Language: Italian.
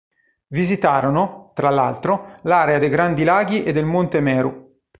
Visitarono, tra l'altro, l'area dei Grandi Laghi e il monte Meru.